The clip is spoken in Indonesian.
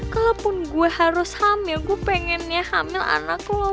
kalaupun gue harus hamil gue pengennya hamil anak lo